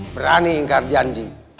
berani ingkar janji